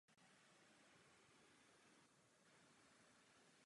Ráno lidé pozorovali ohňostroj vytvořený horou.